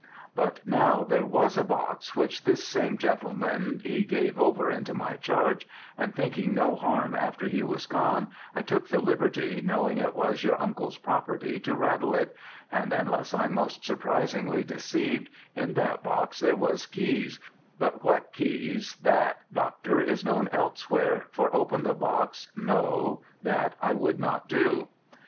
But now there was a box which this same gentleman he give over into my charge, and thinking no harm after he was gone I took the liberty, knowing it was your uncle's property, to rattle it: and unless I'm most surprisingly deceived, in that box there was keys, but what keys, that, Doctor, is known Elsewhere, for open the box, no that I would not do.'